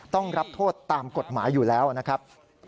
ต้องรับโทษตามกฎหมายอยู่แล้วนะครับ